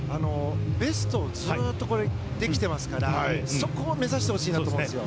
ベストでずっときてますからここを目指してほしいんですよ。